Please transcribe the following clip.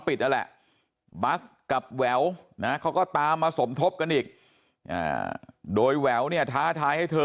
ปิดทั่วแหละบัสด้านกลับแววเขาก็ตามมาสมทบกันอีกโดยแหววเนี่ย